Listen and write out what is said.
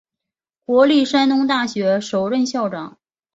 国立山东大学首任校长。